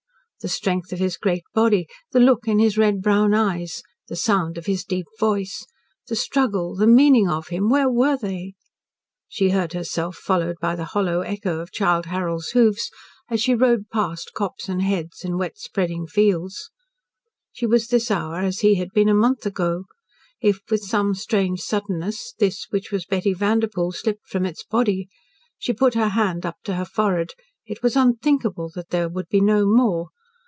The strength of his great body, the look in his red brown eyes, the sound of his deep voice, the struggle, the meaning of him, where were they? She heard herself followed by the hollow echo of Childe Harold's hoofs, as she rode past copse and hedge, and wet spreading fields. She was this hour as he had been a month ago. If, with some strange suddenness, this which was Betty Vanderpoel, slipped from its body She put her hand up to her forehead. It was unthinkable that there would be no more.